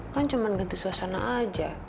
kan cuma ganti suasana aja